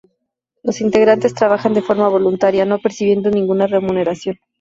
Las integrantes trabajan de forma voluntaria, no percibiendo ninguna remuneración.